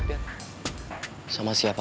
gak ada yang mau nanya